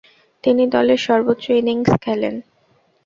তিনি দলের সর্বোচ্চ ইনিংস খেলেন।